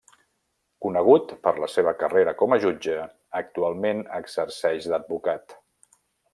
Conegut per la seva carrera com a jutge, actualment exerceix d'advocat.